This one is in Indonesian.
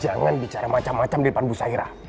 jangan bicara macam macam di depan busairah